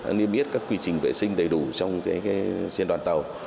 nghiêm yết các quy trình vệ sinh đầy đủ trên đoàn tàu